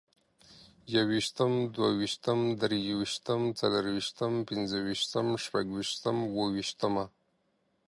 يوویشتم، دوويشتم، دريوشتم، څلورويشتم، پنځوويشتم، شپږويشتم، اوويشتمه